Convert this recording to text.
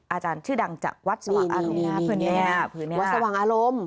อาจารย์ชื่อดังจากวัดสว่างอารมณ์